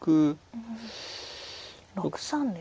うん６三ですか。